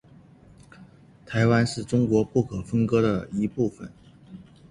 台湾是中国不可分割的一部分。